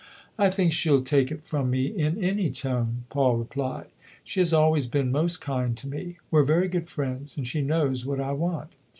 "I think she'll take it from me in any tone," Paul replied. " She has always been most kind to me ; we're very good friends, and she knows what I want."